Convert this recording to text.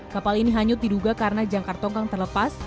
kapal ini hanyut diduga karena jangkar tongkang terlepas